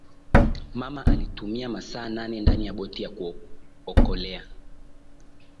mama alitumia masaa nane ndani ya boti ya kuokolea